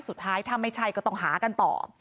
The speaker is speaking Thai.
สุดท้ายถ้าไม่ใช่ก็ต้องหากันต่อ